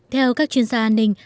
theo các chuyên gia an ninh